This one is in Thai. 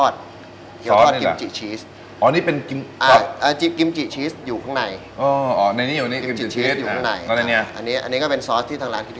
สอสบูโกอคิจะเป็นสอสของเกาหลี